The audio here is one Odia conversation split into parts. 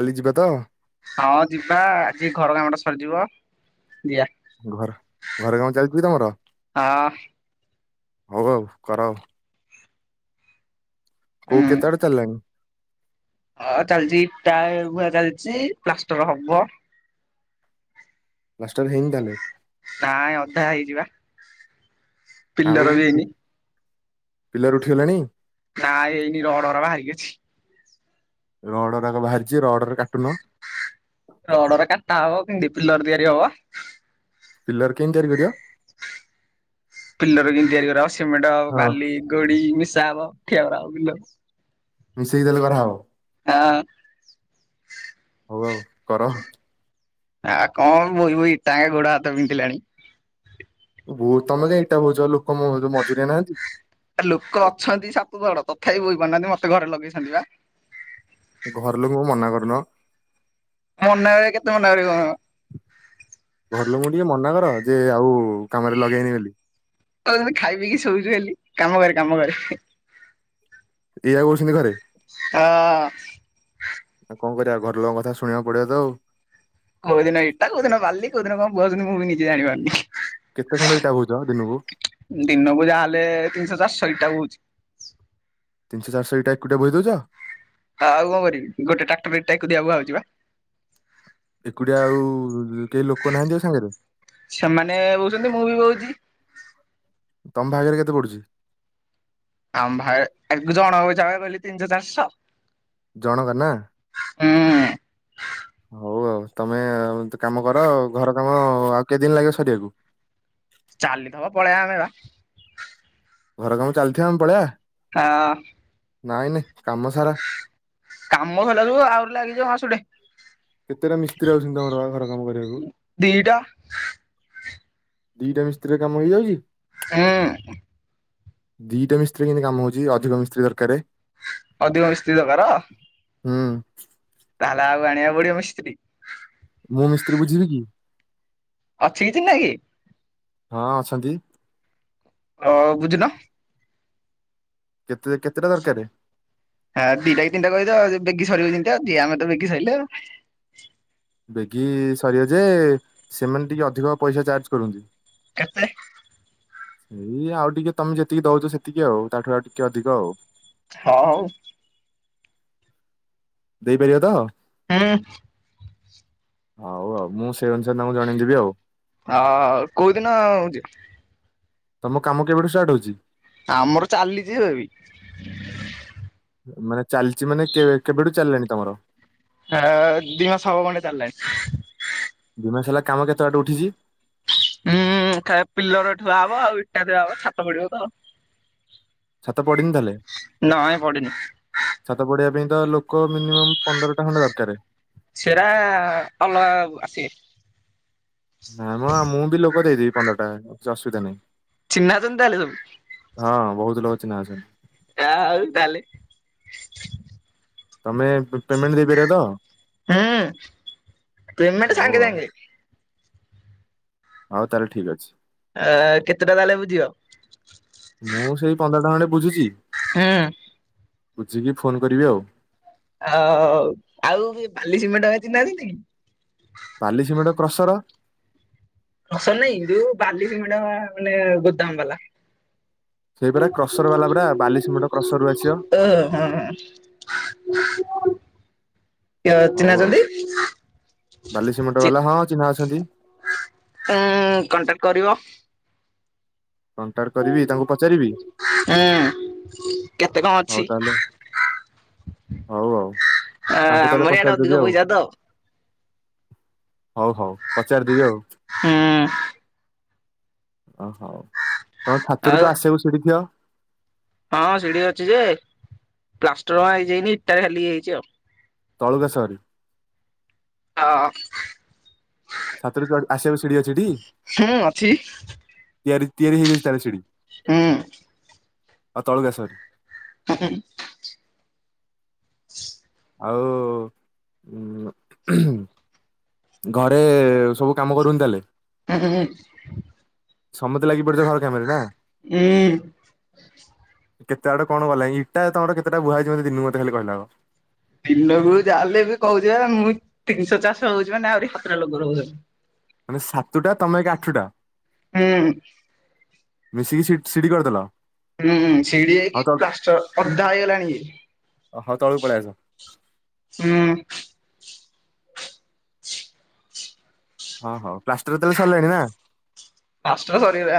କାଲି ଯିବା ତ। ହଁ ଯିବା ଆଜି ଘର କାମଟା ସରିଯିବ ଯିବା। ଘର ଘର କାମ ଚାଲିଛି କି ତମର ହଁ ହଉ ଆଉ କର ଆଉ। କୋଉ ହୁଁ। କେତେବାଟ ଚାଲିଲାଣି। ହଁ ଚାଲିଛି ଇଟା ବୁହା ଚାଲିଛି ପ୍ଲାଷ୍ଟର ହବ। ପ୍ଲାଷ୍ଟର ହେଇନି ତାହାଲେ। ନାଇଁ ଅଧା ହେଇଛି ବା। ଆଉ ପିଲର୍ ଉଠିଗଲାଣି। ନା ହେଇନି ରଡଗୁରା ବାହାରିକି ଅଛି। ରଡଗୁରାକ ବାହାରିଛି ରଡରେ କାଟୁନ। ରଡଗୁରା କାଟା ହବ କେମିତି ପିଲର୍ ତିଆରି ହବ ବା। ପିଲର୍ କେମିତି ତିଆରି କରିବ। ପିଲର କେମତି ତିଆରି କରାହବ ସିମେଣ୍ଟ ହଁ। ବାଲି ଗୋଡି ମିଶା ହବ ଠିଆ କରାହବ ଫିଲ୍ମ୍ ମିଶେଇ ତାହେଲେ କରାହବ। ହଁ। ହଉ ଆଉ କର। ଆ କଣ ବୋହି ବୋହି ଇଟା ଗୋଡ ହାତ ବିନ୍ଧିଲାଣି। ଭୁଲ୍ ତମେ ତ ଇଟା ବୋହୁଛ ଲୋକ ମ ମଜୁରିଆ ନାହାନ୍ତି। ଆ ଲୋକ ଅଛନ୍ତି ସାତ ଜଣ ତଥାପି ବୋହି ପାରୁନାହାନ୍ତି ମତେ ଘରେ ଲଗେଇଛନ୍ତି ବା। ଘର ଲୋକଙ୍କୁ ମନା କରୁନ। ମନା ଯେ କେତେ ମନା କରିବ। ଘର ଲୋକଙ୍କୁ ଟିକେ ମନା କର ଯେ ଆଉ କାମରେ ଲଗେଇବେନି ବୋଲି। କହୁଛନ୍ତି ଖାଇ ପିଇକି ଶୋଉଛୁ ଖାଲି କାମ କରେ କାମ କରେ। ଏୟା କହୁଛନ୍ତି ଘରେ। ହଁ। ଆ କଣ କରିବା ଘରଲୋକଙ୍କ କଥା ଶୁଣକୁ ପଡିବ ତ ଆଉ। କୋଉ ଦିନ ଇଟା କୋଉ ଦିନ ବାଲି କୋଉ ଦିନ କଣ ବ ମୁଁ ବି ନିଜେ ଜାଣି ପାରୁନି। କେତେ ଖଣ୍ଡ ଇଟା ବୋହିଚ ଦିନ କୁ। ଦିନକୁ ଯାହାହେଲେ ତିନିଶହ ଚାରିଶରି ଇଟା ବୋଉଛି। ତିନିଶହ ଚାରିଶ ଇଟା ଏକୁଟିଆ ବୋହି ଦଉଛନ୍ତି? ହଁ ଆଉ କଣ କରିବି ଗୋଟେ ଟ୍ରାକ୍ଟର ଇଟା ଏକୁଟିଆ ବୁହାହୋଉଛି ପା। ଏକୁଟିଆ ଆଉ କେହି ଲୋକ ନାହାଁନ୍ତି ଆଉ ସାଙ୍ଗରେ? ସେମାନେ ବୋହୁଛନ୍ତି ମୁଁ ବି ବୋହୁଛି। ତମ ଭାଗରେ କେତେ ପଡୁଚି? ଆମ୍ ଭାଏ ଏକ ଜଣ କୁ ଯାଏ ବୋଲି ତିନଶ ଚାରଶ ଜଣଙ୍କ ନା ହୁଁ। ହଉ ଆଉ ତମେ କାମ କର ଆଉ ଘର କାମ ଆଉ କେଦିନ ଲାଗିବ ସରିବାକୁ? ଚାଲିଥବ ପଲେଇବା ଆମେ ବା। ଘର କାମ ଚାଲଥିବା ଆମେ ପଳେଇଆ। ଆ ନାଇଁ ନାଇଁ କାମ ସାରା କାମ ସଇଲା ଯୋଗୁ ଆହୁରି ଲାଗିଯିବ ମାସଟେ। କେତେଟା ମିସ୍ତ୍ରୀ ଅଛନ୍ତି ତମର ବା ଘର କାମ କରିବାକୁ ଦିଟା ଦିଟା ମିସ୍ତ୍ରୀରେ କାମ ହେଇଯାଉଚି ହୁଁ। ଦିଟା ମିସ୍ତ୍ରୀ କେମତି କାମ ହଉଚି ଅଧିକ ମିସ୍ତ୍ରୀ ଦରକାରେ। ଅଧିକ ମିସ୍ତ୍ରୀ ଦକାର। ହୁଁ। ତାହେଲେ ଆଉ ଆଣିଆକୁ ପଡିବ ମିସ୍ତ୍ରୀ ମୁଁ ମିସ୍ତ୍ରୀ ବୁଝିବି କି? ଅଛି କି ଚିହ୍ନାକି? ହଁ ଅଛନ୍ତି। ହ ବୁଝିଲ। କେତେ କେତେଟା ଦରକାର? ଆ ଦିଟା କି ତିନଟା କହିଦବ ଆ ବେଗି ସରିବ ଯେନ୍ତୀ ଆ ଦିଆଙ୍କ ତ ବେଗି ସିଇଲା। ବେଗି ସରିବ ଯେ ସେମାନେ ଟିକେ ଅଧିକ ପଇସା ଚାର୍ଜ କରନ୍ତି। କେତେ? ଏଇ ଆଉ ଟିକେ ତମେ ଯେତିକି ଦଉଚ ସେତିକି ଆଉ ତାଠୁ ଆଉ ଟିକେ ଅଧିକ ଆଉ। ହଉ। ଦେଇପାରିବ ତ ହୁଁ। ହଉ ଆଉ ମୁଁ ସେଇ ଅନୁସାରେ ତାଙ୍କୁ ଜଣେଇ ଦେବି ଆଉ। ହଁ କୋଉଦିନ ହଉଚି ତମ କାମ କେବେଠୁ ଷ୍ଟାର୍ଟ ହଉଚି? ଆମର ଚାଲିଛି ଏବେବି। ମାନେ ଚାଲଚି ମାନେ କେ କେବେଠୁ ଚାଲିଲାଣି ତମର ଆ ଦିମାସ ହବ ଖଣ୍ତେ ଚାଲିଲାଣି। ଦିମାସ ହେଲା କାମ କେତେ ବାଟେ ଉଠିଛି ହୁଁ ଖା ପିଲର ଠୁଆ ହବ ଆଉ ଇଟା ଥୁଆ ହବ ଛାତ ପଡିବ ତ। ଛାତ ପଡିନି ତାହେଲେ ନାଇଁ ପଡିନି ଛାତ ପଢିବା ପାଇଁ ତ ଲୋକ ମିନିମମ୍ ପନ୍ଦରଟା ଖଣ୍ତେ ଦରକାରେ। ସେରା ଅଲଗା ଆସିବେ। ନା ମ ମୁଁ ବି ଲୋକ ଦେଇଦେବି ପନ୍ଦର ଟା କିଛି ଅସୁବିଧା ନାହିଁ। ଚିହ୍ନା ଅଛନ୍ତି ତାହେଲେ ସବୁ। ହଁ ବହୁତ ଲୋକ ଚିହ୍ନା ଅଛନ୍ତି। ଯା ଆଉ ଡାଲି। ତମେ ପେ ପେମେଣ୍ଟ ଦେଇପାରିବ ତ ହୁଁ ପେମେଣ୍ଟ ହଉ ସାଙ୍ଗେ ଆଉ ସାଙ୍ଗେ। ହଉ ତା ହେଲେ ଠିକ୍ ଅଛି। ଅ କେତେଟା ତା ହେଲେ ବୁଝିବ? ମୁଁ ସେଇ ପନ୍ଦରଟା ଖଣ୍ଡେ ବୁଝିଛି। ହଁ। ବୁଝିକି ଫୋନ୍ କରିବି ଆଉ। ଆଉ ଆଉ ବାଲି ସିମେଣ୍ଟ [unintelligible] ବାଲି, ସିମେଣ୍ଟ, କ୍ରସର। କ୍ରସର ନାଇଁ ଯୋଉ ବାଲି ସିମେଣ୍ଟ ମାନେ ଗୋଦାମ ବାଲା। ସେଇ ପରା କ୍ରସର ବାଲା ପୁରା ବାଲି ସିମେଣ୍ଟ କ୍ରସର ରୁ ଆସିବ। ଓ ହଁ କିଏ ହଉ ଚିହ୍ନା ଆଉ ଅଛନ୍ତି? ବାଲି ସିମେଣ୍ଟ ବାଲା ହଁ ଚିହ୍ନା ଅଛନ୍ତି। ଏଁ କଣ୍ଟାକ୍ଟ କରିବ। କଣ୍ଟାକ୍ଟ କରିବି ତାଙ୍କୁ ପଚାରିବି। ଉଁ। କେତେ କଣ ହଉ ଅଛି? ତାହେଲେ ହଉ ଆଉ ଆ ତାଙ୍କୁ ତାହେଲେ ଆମରି ଆଡେ ପଚାରିଦେବି ଅଧିକ ଆଉ ପଇସା ତ। ହଉ ହଉ ପଚାରିଦେବି ଆଉ। ହୁଁ। ଓ ହଉ। ତମ ଛାତରୁ ଆଉ ଆସିବାକୁ ସିଡ଼ି ଥିବ? ହଁ, ସିଡି ଅଛି ଯେ ପ୍ଲାଷ୍ଟର ହେଇଯାଇନି ଇଟା ଖାଲି ହେଇଛି ଆଉ। ତଳକୁ ଆସ ବାହାରି। ହଁ। ଛାତରୁ ଚଢ୍ ଆସିବାକୁ ସିଡି ଅଛି ଟି? ହୁଁ ଅଛି। ତିଆରି ତିଆରି ହେଇଯାଇଛି ତା ହେଲେ ସିଡ଼ି? ହୁଁ। ଅ ତଳକୁ ଆସ ବାହାରି। ହଁ ହୁଁ ହୁଁ। ହ ଆଉ ହୁଁ। ଘରେ ସବୁ କାମ କରୁଛନ୍ତି ତାହେଲେ। ହୁଁ ହୁଁ ହୁଁ। ସମସ୍ତେ ଲାଗି ପଡିଥିବେ ଘର କାମରେ ନା। ହୁଁ। କେତେ ଆଡେ କଣ ଗଲାଣି ଇଟା ତମର କେତେଟା ବୁହା ହେଇଛିି ମୋତେ ଦିନକୁ ମୋତେ ଖାଲି କହିଲ ଆଗ? ଦିନକୁ ଯାହା ହେଲେ ବି କହୁଛି ବା ମୁଁ ତିନଶହ ଚାରଶହ ହଉଛି ମାନେ ଆହୁରି ସାତଟା ଲୋକର। [unintelligible] ମାନେ ସାତୁଟା ତମେ ଏକ ଆଠୁଟା? ହୁଁ। ମିଶିକି ସିଡ୍ ସିଡି କରିଦେଲ? ହୁଁ, ସିଡି ହଉ ହେଇକି ତଳ ପ୍ଲାଷ୍ଟର ଅଧା ହେଇଗଲାଣି ଇଏ। ହଉ ତଳକୁ ପଳେଇ ଆସ ହୁଁ। ହଁ ହଉ ପ୍ଲାଷ୍ଟର ତା ହେଲେ ସରିଲଣି ନା? ପ୍ଲାଷ୍ଟର ସରିଲା,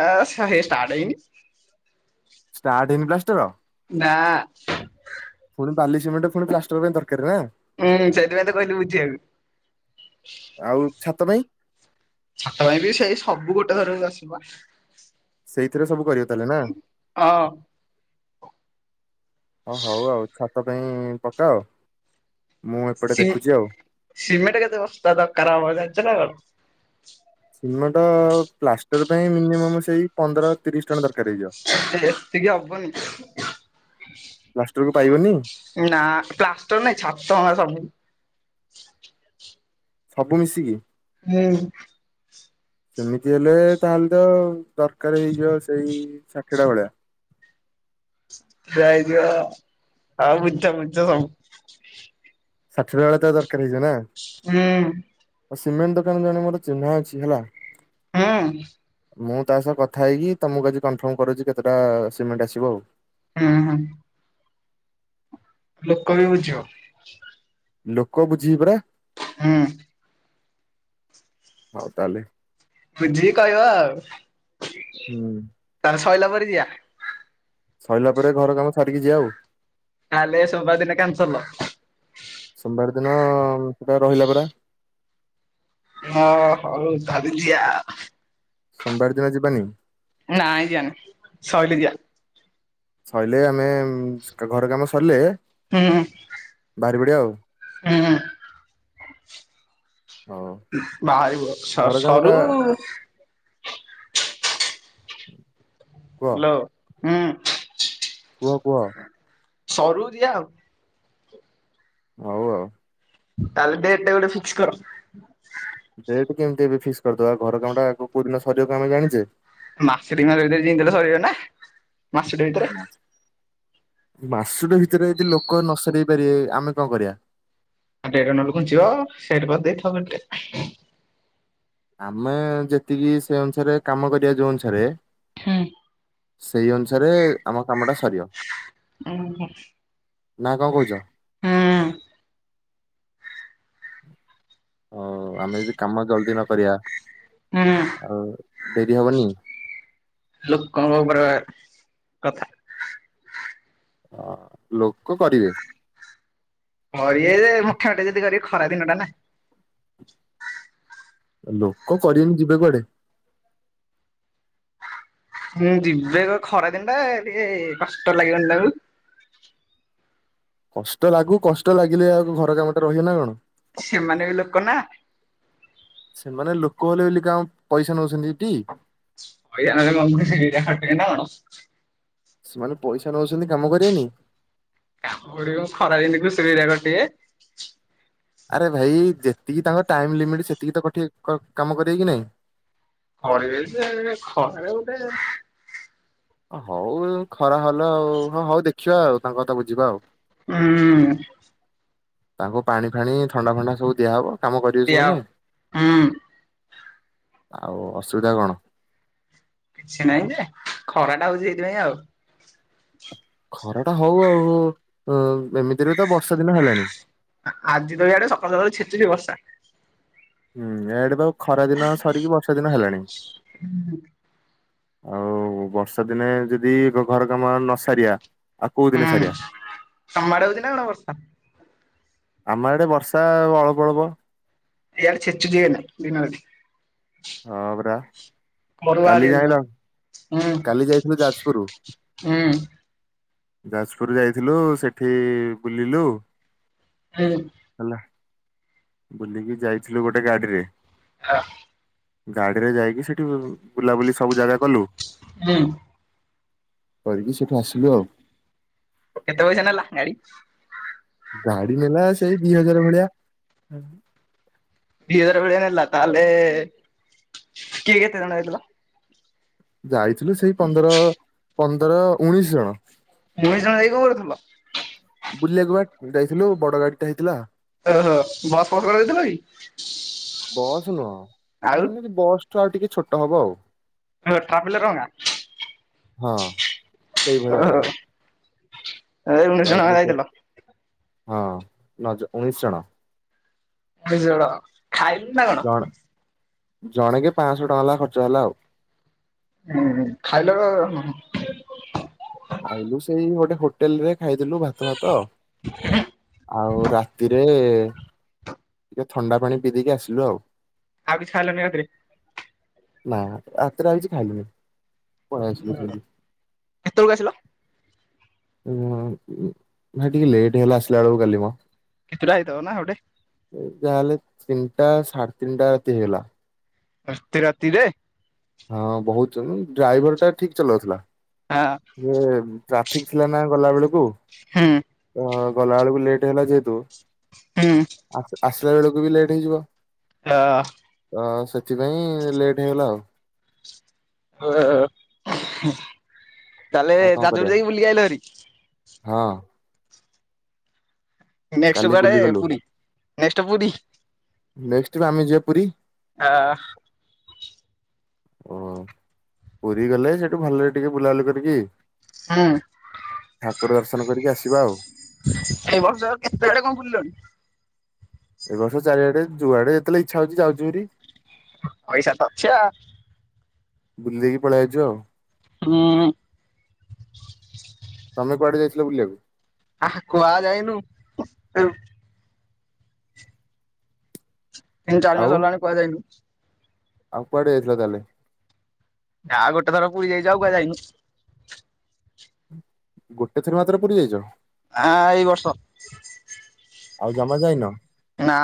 ହେ ଷ୍ଟାର୍ଟ ହେଇନି। ଷ୍ଟାର୍ଟ ହେଇନି ପ୍ଲାଷ୍ଟର? ନା। ପୁଣି ବାଲି ସିମେଣ୍ଟ ପୁଣି ପ୍ଲାଷ୍ଟର ପାଇଁ ଦରକାର ନା? ହୁଁ, ସେଥିପାଇଁ ତ କହିଲି ବୁଝିିବାକୁ। ଆଉ ଛାତ ପାଇଁ? ଛାତ ପାଇଁ ବି ସେଇ ସବୁ ଗୋଟେ ଥରକୁ ଆସିବା। ସେଇଥିରେ ସବୁ କରିବ ତା ହେଲେ ନା? ହଁ ଓ ହଉ ଆଉ ଛାତ ପାଇଁ ପକାଅ ମୁଁ ଏପଟେ ସି ଦେଖୁଛି ଆଉ। ସିମେଟ କେତେ ବସ୍ତା ଦରକାର ହବ ଯାଣିଛ ନା କଣ? ସିମଟ ପ୍ଲାଷ୍ଟର ପାଇଁ ମିନିମମ୍ ସେଇ ପନ୍ଦର ତିରିଶ ଟ୍ରନ ଦରକାର ହେଇଯିବ। ଏତିକି ହବନି ପ୍ଲାଷ୍ଟରକୁ ପାଇବନି? ନା ପ୍ଲାଷ୍ଟର ନାଇ ଛାଡ଼ ତ ଆମର ସବୁ। ସବୁ ମିଶିକି? ହୁଁ। ସେମିତି ହେଲେ ତାହେଲେ ତ ଦରକାର ହେଇଯିବ ସେଇ ଷାଠିଏଟା ଭଳିଆ। [unintelligible] ମିଛ ମିଛ ସବୁ। ସାଥୁଟା ବେଳେ ତୋର ଦରକାର ହେଇଯିବ ନା? ହୁଁ। ଆଉ ସିମେଣ୍ଟ ଦୋକାନ ଜଣେ ମୋର ଚିହ୍ନା ଅଛି ହେଲା। ହୁଁ। ମୁଁ ତା ସହ କଥା ହେଇକି ତମକୁ ଆଜି କନଫର୍ମ କରୁଛି କେତେଟା ସିମେଣ୍ଟ ଆସିବ ଆଉ। ହୁଁ ହୁଁ। ଲୋକ ବି ବୁଝିବ। ଲୋକ ବୁଝିିବି ପରା? ହୁଁ। ହଉ ତାହେଲେ। ବୁଝି କହିବା ଆଉ। ହୁଁ। ତାହେଲେ ସଇଲା ପରେ ଯିବା। ସରିଲା ପରେ ଘର କାମ ସାରିକି ଯିବା ଆଉ। ତହେଲେ ସୋମବାର ଦିନ କାନସଲ। ସୋମବାର ଦିନ ସେଟା ରହିଲା ପରା। ହଁ ହଉ ଧରିଛି ଆ ସୋମବାର ଦିନ ଯିବାନି। ନାଇ ଯିବାନି ସରିଲେ ଯିିବା। ସରିଲେ ଆମେ ଘର କାମ ସରିଲେ ହୁଁ ହୁଁ। ବାହାରି ପଡିବ ଆଉ। ହଉ ବାହାରିବ ସ ଘର କାମ ଟା ସରୁ କୁହ ହ୍ୟାଲୋ, ହୁଁ। କୁହ କୁହ? ସରୁ ଯିବା ଆଉ। ହଉ ଆଉ। ତାହେଲେ ଡେଟା ଗୋଟେ ଫିକ୍ସ କର। ଡେଟ୍ କେମିତି ଏବେ ଫିକ୍ସ କରିଦବା ଘର କାମଟା କୋଉ ଦିନ ସରିଯିବ କଣ ଆମେ ଜାଣିଛେ? ମାସଟି ର ଜିମିତି ହେଲେ ସରିବ ନା ମାସଟି ଭିତରେ? ମାସୁଟ ଭିତରେ ଯଦି ଲୋକ ନ ସରେଇ ପାରିବେ ଆମେ କଣ କରିବା? ଡେଟ୍ ନହେଲେ ଘୁଞ୍ଚିବ। [unintelligible] ଆମେ ଯେତିକି ସେ ଅନୁସାରେ କାମ କରିବା ଯୋଉ ଅନୁସାରେ ହୁଁ ସେଇ ଅନୁସାରେ ଆମ କାମ ଟା ସରିିବ। ଉଁ ହୁଁ। ନା କଣ କହୁଛ? ହ ଆମେ ଯଦି କାମ ଜଲଦି ନକରିଆ ହୁଁ ଆଉ ଡେରି ହବନି। ଲୋକଙ୍କ ଉପରେ କଥା। ହଁ ଲୋକ କରିବେ। ହ ଯେ ମୋଟାମୋଟି ଯଦି କରିବେ ଖରା ଦିନ ଟା ନା। ଲୋକ କରିବନି ଯିବେ କୁଆଡେ? ମୁଁ ଯିବି ଖରା ଦିନ ଟା ଟିକେ କଷ୍ଟ ଲାଗିବନି ତାକୁ କଷ୍ଟ ଲାଗୁ କଷ୍ଟ ଲାଗିଲେ ଆଉ ଘର କାମ ଟା ରହିବେ ନା କଣ। ସେମାନେ ବି ଲୋକ ନା। ସେମାନେ ଲୋକ ହେଲେ ବୋଲି କାଅଁ ପଇସା ନଉଛନ୍ତି କି ହମ ଆଣ [unintelligible] ସେମାନେ ପଇସା ନଉଚ଼ନ୍ତି କାମ କରିବେନି। କାମ କରିବ କଅଁ ଖରାଦିନେ ତ ସେଉରା ଗୋଟେ ଆରେ ଭାଇ ଯେତିକି ତାଙ୍କ ଟାଇମ ଲିମିଟ୍ ସେତିକି ତ କଠିକ କାମ କରିବେ କି ନାଇଁ। କରିବେ ଯେ ଏଖରାରେ ଗୋଟେ ହଉ ଏ ଖରା ହେଲା ଆଉ ହଁ ହଉ ଦେଖିବା ଆଉ ତାଙ୍କ କଥା ବୁଝିବା ଆଉ। ହୁଁ। ତାଙ୍କୁ ପାଣି ଫାଣି ଥଣ୍ଡା ଫଣ୍ଡା ସବୁ ଦିଆହବ କାମ କରିବେ ଦିଆ ସେମାନେ। ହୁଁ ଆଉ ଅସୁବିଧା କଣ? କିଛି ନାହିଁ ଯେ ଖରାଟା ହଉଚି ଏଇଥିପାଇଁ ଆଉ। ଖରା ଟା ହଉ ଆଉ ଏମିତିରେ ତ ବର୍ଷା ଦିନ ହେଲାଣି। ଆଜି ତ ଏଇଆଡେ ସକାଳୁ ସକାଳୁ ଛେଛିକି ବର୍ଷା। ହୁଁ ଏଆଡେ ତ ଖରା ଦିନ ସରିକି ବର୍ଷା ଦିନ ହେଲାଣି। ଆଉ ବର୍ଷା ଦିନେ ଯଦି ଘ ଘର କାମ ନସାରିବା। ଆଉ କୋଉଦିନେ ହୁଁ ସାରିଆ। ତମ ଆଡେ ହଉଛି ନା କଣ ବର୍ଷା? ଆମ ଆଡ଼େ ବର୍ଷା ଆଉ ଅଳ୍ପ ଅଳ୍ପ। ଇଆଡ଼େ [unintelligible] ହଁ ବରାା। ଘରୁ ବାହାରି କାଲି ହଉନି ବା ଜାଇଁଲ ହୁଁ କାଲି ଯାଇଥିଲୁ ଯାଜପୁର। ହୁଁ ଯାଜପୁର ଯାଇଥିଲୁ ସେଠି ବୁଲିଲୁ ହୁଁ। ହେଲା। ବୁଲିକି ଯାଇଥିଲୁ ଗୋଟେ ଗାଡିରେ ହଁ। ଗାଡିରେ ଯାଇକି ସେଠି ବୁଲାବୁଲି ସବୁ ଜାଗା କଲୁ। ହୁଁ। କରିକି ସେଠୁ ଆସିଲୁ ଆଉ। କେତେ ପଇସା ନେଲା ଗାଡି? ଗାଡି ନେଲା ସେଇ ଦି ହଜାର ଭଳିଆ। ଦିହଜାର ଭଳିଆ ନେଲା ତା ହେଲେ କିଏ କେତେଜଣ ଯାଇଥିଲା? ଯାଇଥିଲୁ ସେଇ ପନ୍ଦର ପନ୍ଦର ଉଣେଇଶି ଜଣ। ଦୁଇ ଜଣ ଯାଇଁକି କଅଁ କରୁଥିଲା? ବୁଲିଆକୁବା ଯାଇଥିଲୁ ବଡ ଗାଡି ଟା ହେଇଥିଲା। ଓହୋ ବସ୍ ଫସ ଯାଇଥିଲ କି ଆଉ। ତାଆଟୁ ଟିକେ ଛୋଟ ହବ ଆଉ। ହେଲେ ଟ୍ରାପ୍ ଲଗାଉଙ୍ଗା। ହଁ। ସେଇଭଳିଆ ହ ଆଉ ହ। ଯାଇଥିଲୁ କେ ହଁ ନଜ ଉଣେଇଶି ଜଣ। ବିଝଳ ଖାଇଚୁନା କଣ। ଜଣେ କି ପାଆଁଶହ ଟଙ୍କା ଲେକା ଖର୍ଚ୍ଚ ହେଲା ଆଉ। ହୁଁ ଉଁ ଖାଇଲ କଣ ଉଁ। ଖାଇଲୁ ସେଇ ଗୋଟେ ହୋ ହୋଟେଲ ରେ ଖାଇଥିଲୁ ଭାତ ଭାତ ଆଉ ରାତିରେ ଟିକେ ଥଣ୍ଡା ପାଣି ପିଦେଇକି ଆସିଲୁ ଆଉ। ଆଉ କିଛି ଖାଇଲନି ରାତିରେ? ନା ରାତିରେ ଆଉ କିଛି ଖାଲି ପଳେଇ ଆସିଲୁ [unintelligible] କେତେବେଳୁ ଆସିଲ? ଉ ଭାଇ ଟିକେ ଲେଟ୍ ହେଲା ଆସିଲା ବେଳକୁ ଟିକେ ମ। [unintelligible] ଯାହାହେଲେ ତିନିଟା ସାଢେ ତିନିଟା ରାତି ହେଇଗଲା। ଏତେ ରାତିରେ। ହଁ ବୋହୁତ ଡ୍ରାଇଭର ଟା ଠିକ୍ ଚଲାଉଥିଲା। ହଁ। ଇଏ ଟ୍ରାଫିକ ଥିଲା ନା ଗଲା ବେଳକୁ। ହଁ। ହ ଗଲା ବେଳକୁ ଲେଟ୍ ହେଲା ଯେହେତୁ ହଁ। ଆସିଲା ବେଳକୁ ବି ଲେଟ୍ ହେଇଯିବ। ହ ହ ସେଥିପାଇଁ ଲେଟ୍ ହେଇଗଲା ଆଉ। ଓ ତାହେଲେ ଆଉ [unintelligible] କଣ କରିବା ଯାଇକି ବୁଲିକି ଆଇିଲ ଭାରି। ହଁ। ନେକ୍ସଟ କାଲି କୁଆଡ଼େ ବୁଲିଗଲୁ। ପୁରୀ ନେକ୍ସଟ ପୁରୀ। ନେଷ୍ଟ ଆମେ ଯିବା ପୁରୀ ଆ ହୁଁ। ପୁରୀ ଗଲେ ସେଇଠୁ ଭଲରେ ଟିକେ ବୁଲାବଲୁ କରିକି ହଁ। ଠାକୁର ଦର୍ଶନ କରିକି ଆସିବା ଆଉ। ଏଇ ବର୍ଷ କେତେବେଳେ ବୁଲି [unintelligible] ଏ ବର୍ଷ ଚାରିଆଡେ ଯୁଆଡେ ଯେତେବେଳେ ଇଚ୍ଛା ହେଉଛି ଯାଉଚି ଭାରୀ। ପଇସା ତ ହିଁ। ବୁଲିଦେଇକି ପଲେଇ ଆସିବ ଆଉ। ହଁ। ତମେ କୁଡେ ଯାଇଥିଲ ବୁଲିବାକୁ? ଆ କୁହାଯାଇନୁ ଏ ତିନି ଚାରି ମାସ ଆଉ ହେଲାଣି କୁଆଡ଼େ [unintelligible] ଆଉ କୁଆଡେ ଯାଇଥିଲୁ ତାହେଲେ। ଯା ଗୋଟେ ଥର ପୁରୀ ଯାଇଚୁ [unintelligible] ଗୋଟେ ଥର ମାତ୍ର ପୁରୀ ଯାଇଚ? ଆ ଏଇ ବର୍ଷ। ଆଉ ଜମା ଯାଇନ? ନା।